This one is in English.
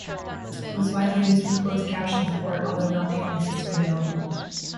It was widely used for closed captioning support, although not the only system available.